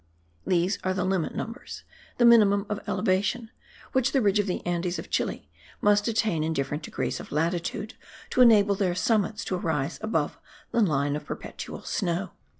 These are the limit numbers, the minimum of elevation, which the ridge of the Andes of Chile must attain in different degrees of latitude, to enable their summits to rise above the line of perpetual snow.